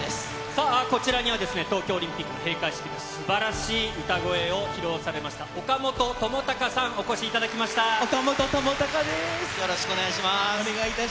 さあ、こちらには東京オリンピックの閉会式ですばらしい歌声を披露されました、岡本知高さん、お越しいただきました。